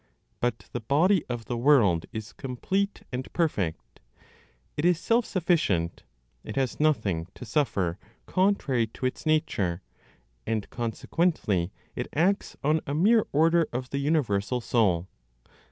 But the body of the world is complete and perfect. It is self sufficient; it has nothing to suffer contrary to its nature; and consequently, it (acts) on a mere order of the universal Soul.